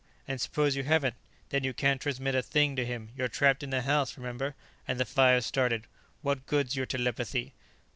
And suppose you haven't? Then you can't transmit a thing to him; you're trapped in the house, remember, and the fire's started. What good's your telepathy?"